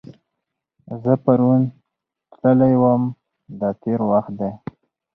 زه پرون تللی وم – دا تېر وخت دی.